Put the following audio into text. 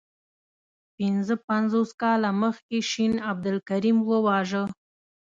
پنځه پنځوس کاله مخکي شین عبدالکریم وواژه.